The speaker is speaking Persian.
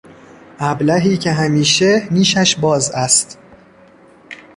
ابلهی که همیشه نیشش باز است